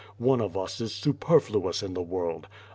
One of us is superfluous in the world.